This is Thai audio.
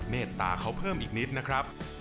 เมตตาเขาเพิ่มอีกนิดนะครับ